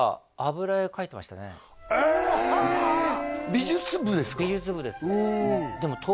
美術部ですか？